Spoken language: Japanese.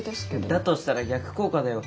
だとしたら逆効果だよ。